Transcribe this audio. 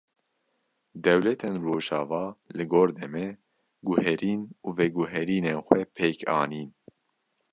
Dewletên rojava li gor demê, guherîn û veguherînên xwe pêk anîn